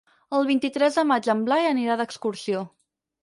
El vint-i-tres de maig en Blai anirà d'excursió.